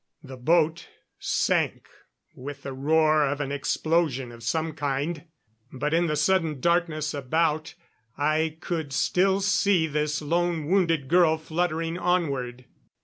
The boat sank with the roar of an explosion of some kind, but in the sudden darkness about I could still see this lone wounded girl fluttering onward.